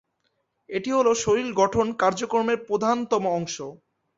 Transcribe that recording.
এটি হল শরীর গঠন কার্যক্রমের প্রধানতম অংশ।